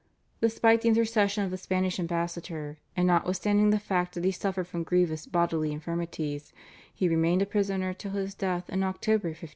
Despite the intercession of the Spanish ambassador, and notwithstanding the fact that he suffered from grievous bodily infirmities, he remained a prisoner till his death in October 1585.